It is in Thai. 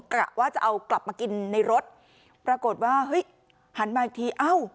กะว่าจะเอากลับมากินในรถปรากฏว่าเฮ้ยหันมาอีกทีเอ้า